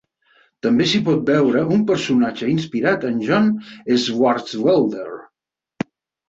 També s'hi pot veure un personatge inspirat en John Swartzwelder.